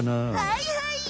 はいはい！